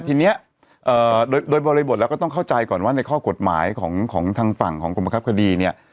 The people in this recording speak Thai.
ทีนี้โดยบริบทแล้วก็ต้องเข้าใจก่อนว่าในข้อกฎหมายของทางฝั่งของกรมบังคับคดีเนี่ย